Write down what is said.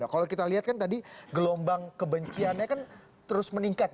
kalau kita lihat kan tadi gelombang kebenciannya kan terus meningkat